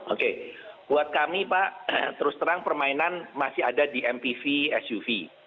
oke buat kami pak terus terang permainan masih ada di mpv suv